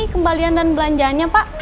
ini kembalian dan belanjaannya pak